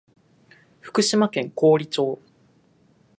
福島県桑折町